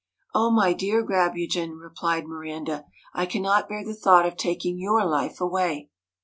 ' O my dear Grabugeon !' replied Miranda, ' I cannot bear the thought of taking your life away.'